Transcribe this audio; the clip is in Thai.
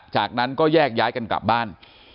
จากนั้นก็แยกย้ายกันกลับบ้าน